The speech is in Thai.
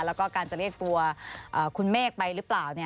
แล้วก็การจะเรียกตัวคุณเมฆไปหรือเปล่า